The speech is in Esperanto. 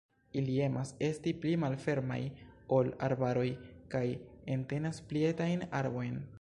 Ili emas esti pli malfermaj ol arbaroj kaj entenas pli etajn arbojn.